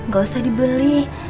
gak usah dibeli